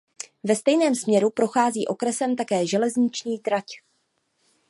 Ve stejném směru prochází okresem také železniční trať.